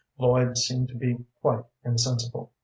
Lloyd seemed to be quite insensible.